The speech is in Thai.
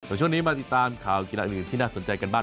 ช่วงนี้มาติดตามข่าวกีฬาอื่นที่น่าสนใจกันบ้าง